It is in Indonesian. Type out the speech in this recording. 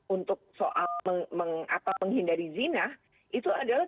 untuk soal menghindari zinah itu adalah